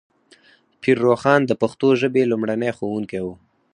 پیر روښان د پښتو ژبې لومړنی ښوونکی و.